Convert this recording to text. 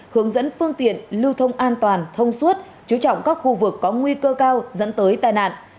hướng dẫn phương tiện lưu thông an toàn thông suốt chú trọng các khu vực có nguy cơ cao dẫn tới tai nạn